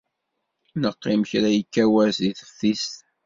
Neqqim kra yekka wass deg teftist.